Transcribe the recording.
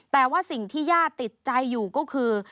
แต่ว่าสิ่งที่ญาติติดใจอยู่ก็คือ